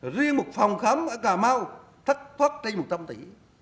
riêng một phòng khám ở cà mau thất thoát trên một trăm linh tỷ